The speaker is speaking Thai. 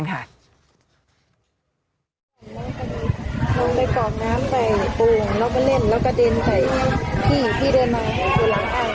น้องกำลังไปปรุงแล้วก็เล่นแล้วกระเด็นใส่พี่พี่เดินมาอยู่หลังอ่าง